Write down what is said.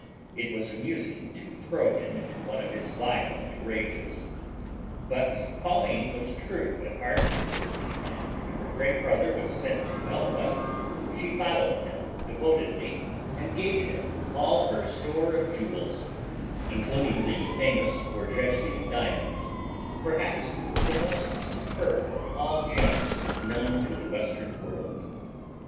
It was amusing to throw him into one of his violent rages; but Pauline was true at heart, and when her great brother was sent to Elba she followed him devotedly and gave him all her store of jewels, including the famous Borghese diamonds, perhaps the most superb of all gems known to the western world.